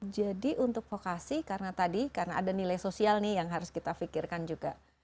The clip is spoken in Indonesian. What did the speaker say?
jadi untuk vokasi karena tadi karena ada nilai sosial nih yang harus kita pikirkan juga